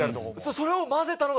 それを交ぜたのが。